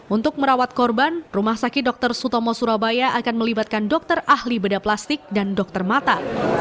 untuk merawat korban rumah sakit dr sutomo surabaya akan melibatkan dokter ahli bedah plastik dan dokter mata